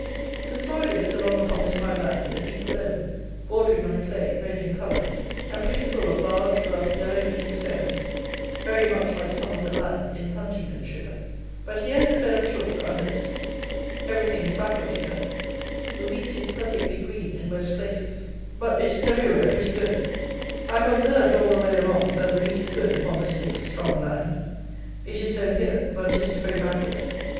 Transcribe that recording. The soil is, along upon this high land, a deep loam, bordering on a clay, red in colour, and pretty full of large, rough, yellow looking stones, very much like some of the land in Huntingdonshire; but here is a bed of chalk under this. Everything is backward here. The wheat is perfectly green in most places; but it is everywhere pretty good. I have observed, all the way along, that the wheat is good upon the stiff, strong land. It is so here; but it is very backward.